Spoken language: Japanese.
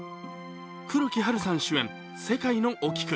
黒木華さん主演「せかいのおきく」。